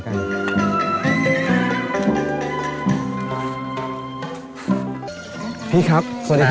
พี่ครับสวัสดีครับ